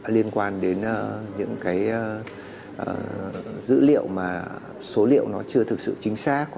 liên quan đến những cái dữ liệu mà số liệu nó chưa thực sự chính xác